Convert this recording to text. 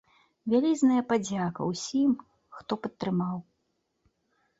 Вялізная падзяка ўсім, хто падтрымаў!